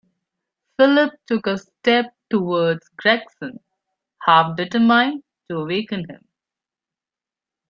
Philip took a step toward Gregson, half determined to awaken him.